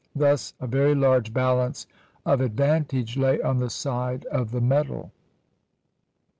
Thus, a very large balance of advantage lay on the side of the metal.